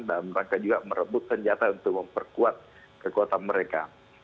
dan mereka juga merebut senjata untuk memperkuat kekuatan mereka